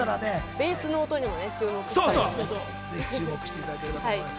ベースの音にも注目したいと思います。